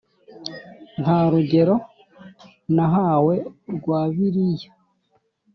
nta rugero nahawe rwa biriya